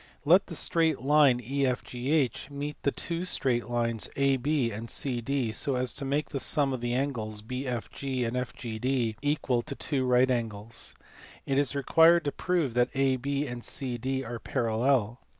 Let the straight line EFGH meet the two straight lines AB and CD so as to make the sum of the angles BFG and FGD equal to two right angles. It is required to prove that AB and CD are parallel.